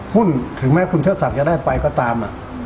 ถึงแม้คุณเชิดศักดิ์จะได้ไปก็ตาม